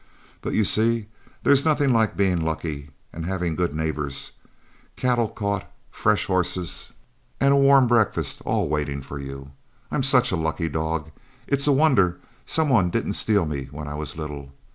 But you see there's nothing like being lucky and having good neighbors, cattle caught, fresh horses, and a warm breakfast all waiting for you. I'm such a lucky dog, it's a wonder some one didn't steal me when I was little.